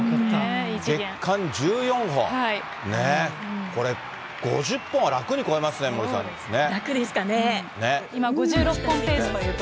月間１４本。ねぇ、これ、５０本は楽に超えますね、森さんね。